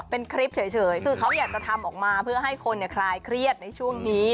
เป็นคลิปเฉยคือเขาอยากจะทำออกมาเพื่อให้คนคลายเครียดในช่วงนี้